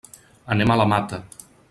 Anem a la Mata.